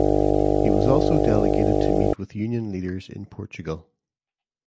He was also delegated to meet with union leaders in Portugal.